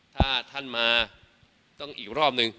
ถ้าท่านมาต้องอีกรอบนึง